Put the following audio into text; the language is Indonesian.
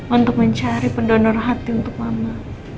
untuk mencari pendonor hati untuk mama